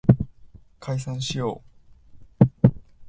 解散しよう